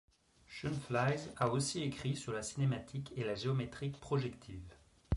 Schoenflies a aussi écrit sur la cinématique et la géométrie projective.